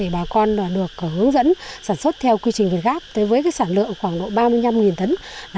bà con được hướng dẫn sản xuất theo quy trình việt gáp với sản lượng khoảng độ ba mươi năm tấn